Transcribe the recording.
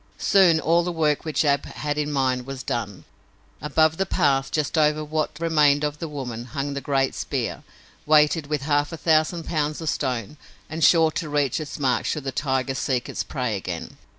Soon all the work which Ab had in mind was done. Above the path, just over what remained of the woman, hung the great spear, weighted with half a thousand pounds of stone and sure to reach its mark should the tiger seek its prey again.